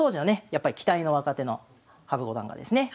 やっぱり期待の若手の羽生五段がですね